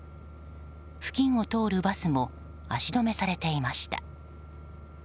付近を通るバスも足止めされていました。